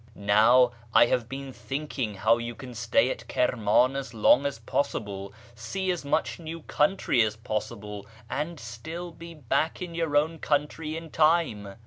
Now I have been thinking how you can stay at Kirman as long as possible, see as much new country as possible, and still be back in your own country in time.